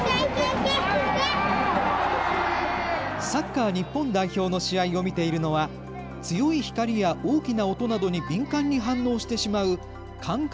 サッカー日本代表の試合を見ているのは強い光や大きな音などに敏感に反応してしまう感覚